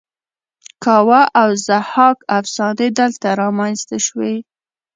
کاوه او ضحاک افسانې دلته رامینځته شوې